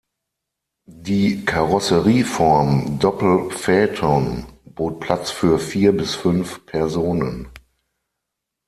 Die Karosserieform Doppelphaeton bot Platz für vier bis fünf Personen.